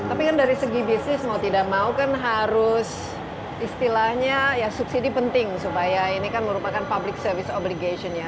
tapi kan dari segi bisnis mau tidak mau kan harus istilahnya ya subsidi penting supaya ini kan merupakan public service obligation ya